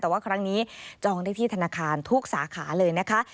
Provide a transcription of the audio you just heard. แต่ว่าครั้งนี้จองได้ที่ธนาคารทุกสาขาเลยนะคะ